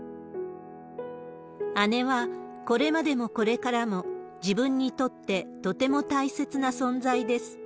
姉はこれまでもこれからも、自分にとってとても大切な存在です。